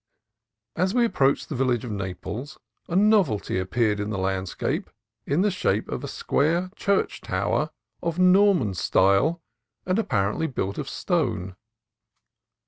As we approached the village of Naples a novelty appeared in the landscape in the shape of a square church tower, of Norman style, and apparently built of stone.